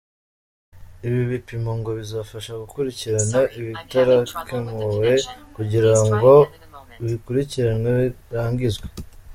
Ibi bipimo ngo bizafasha gukurikirana ibitarakemuwe, kugirango bikurikiranwe birangizwe.